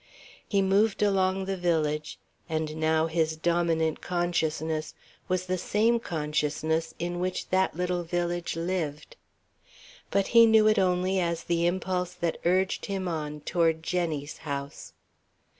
He moved along the village, and now his dominant consciousness was the same consciousness in which that little village lived. But he knew it only as the impulse that urged him on toward Jenny's house.